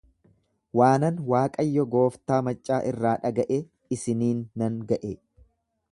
Waanan Waaqayyo gooftaa maccaa irraa dhaga'e isiniin nan ga'e.